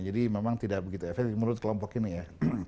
jadi memang tidak begitu efektif menurut kelompok ini ya